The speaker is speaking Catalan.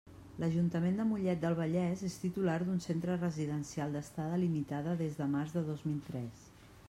L'Ajuntament de Mollet del Vallès és titular d'un centre residencial d'estada limitada des de març de dos mil tres.